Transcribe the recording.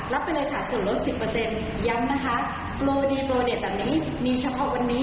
ไปเลยค่ะส่วนลด๑๐ย้ำนะคะโปรโมดีโปรเดตแบบนี้มีเฉพาะวันนี้